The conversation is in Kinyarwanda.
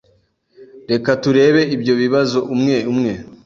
Reka turebe ibyo bibazo umwe umwe.